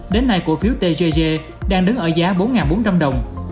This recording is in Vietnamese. đến nay cổ phiếu tg đang đứng ở giá bốn bốn trăm linh đồng